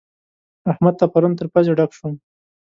احمد ته پرون تر پزې ډک شوم.